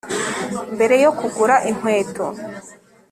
mbere yo kugura inkweto